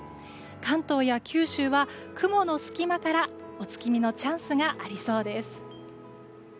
関東や九州は雲の隙間からお月見チャンスがありそうです。